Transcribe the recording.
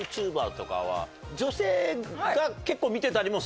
女性が結構見てたりもすんの？